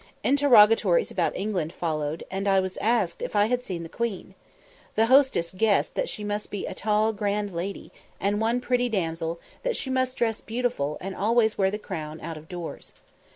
Interrogatories about England followed, and I was asked if I had seen the queen? The hostess "guessed" that she must be a "tall grand lady," and one pretty damsel that "she must dress beautiful, and always wear the crown out of doors."